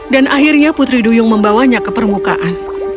dan akhirnya putri duyung membawanya ke permukaan